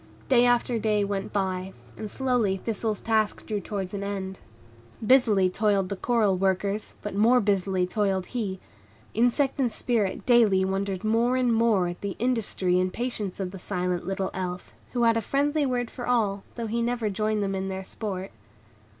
Day after day went by, and slowly Thistle's task drew towards an end. Busily toiled the coral workers, but more busily toiled he; insect and Spirit daily wondered more and more, at the industry and patience of the silent little Elf, who had a friendly word for all, though he never joined them in their sport.